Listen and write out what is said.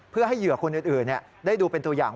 เพื่อให้เหยื่อคนอื่นได้ดูเป็นตัวอย่าง